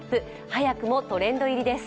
早くもトレンド入りです。